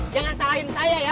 jangan salahin saya ya